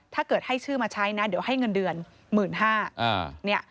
ถ้าเกิดให้ชื่อมาใช้นะเดี๋ยวให้เงินเดือน๑๕๐๐บาท